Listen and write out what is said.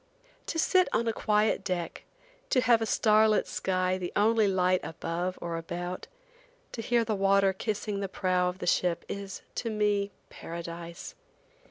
To sit on a quiet deck, to have a star lit sky the only light above or about, to hear the water kissing the prow of the ship, is, to me, paradise.